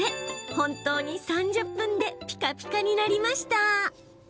本当に３０分でピカピカになりました。